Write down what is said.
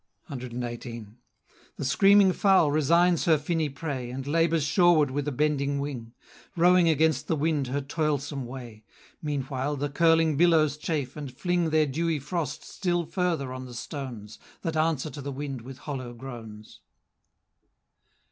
CXVIII. The screaming fowl resigns her finny prey, And labors shoreward with a bending wing, Rowing against the wind her toilsome way; Meanwhile, the curling billows chafe, and fling Their dewy frost still further on the stones, That answer to the wind with hollow groans.